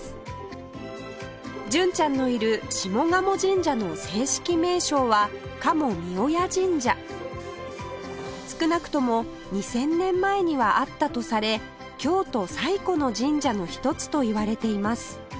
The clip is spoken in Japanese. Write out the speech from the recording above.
純ちゃんのいる下鴨神社の正式名称は少なくとも２０００年前にはあったとされ京都最古の神社の一つといわれています